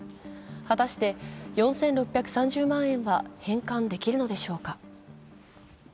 果たして４６３０万円は返還できるのでしょうか。